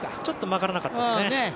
ちょっと曲がらなかったですね。